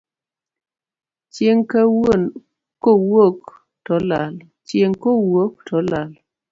Chieng' kowuok to olal.